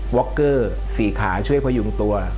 ็อกเกอร์๔ขาช่วยพยุงตัว